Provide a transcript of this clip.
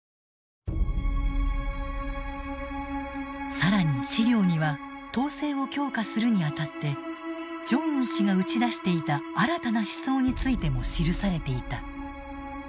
更に資料には統制を強化するにあたってジョンウン氏が打ち出していた新たな思想についても記されていた。